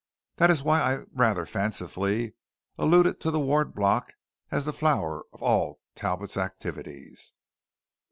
That is why I rather fancifully alluded to the Ward Block as the flower of all Talbot's activities.